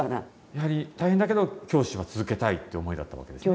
やはり大変だけど教師は続けたいって思いだったわけですよね。